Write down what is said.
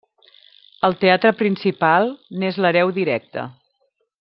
El Teatre Principal n'és l'hereu directe.